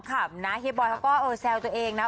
คราบอีสวะบอยเขาก็แซวตัวเองนะ